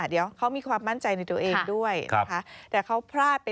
เดี๋ยวเขามีความมั่นใจในตัวเองด้วยนะคะ